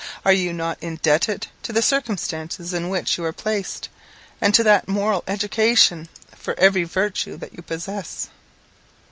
Are not you indebted to the circumstances in which you are placed, and to that moral education, for every virtue that you possess?